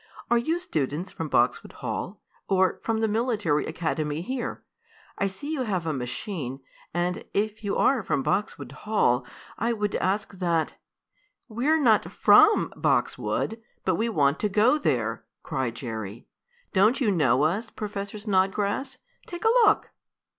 "Are you students from Boxwood Hall, or from the military academy here? I see you have a machine, and if you are from Boxwood Hall I would ask that " "We're not from Boxwood, but we want to go there!" cried Jerry. "Don't you know us, Professor Snodgrass? Take a look!"